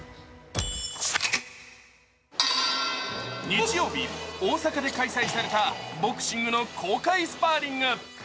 日曜日、大阪で開催されたボクシングの公開スパーリング。